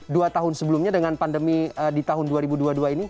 dua tahun sebelumnya dengan pandemi di tahun dua ribu dua puluh dua ini